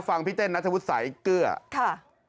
ฟังพี่เต้นนัทธวุษัยเกลื้อค่ะ